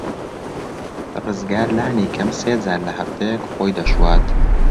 ڕزگار لانی کەم سێ جار لە هەفتەیەک خۆی دەشوات.